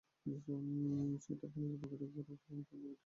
সেই টাকা নিজের পকেটে পোরার পরেই কেবল তিনি মুক্তি দিয়েছেন দরিদ্র দম্পতিকে।